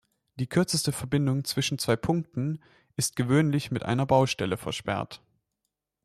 Die kürzeste Verbindung zwischen zwei Punkten ist gewöhnlich mit einer Baustelle versperrt.